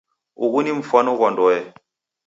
Ughu ni mfwano ghwa ndoe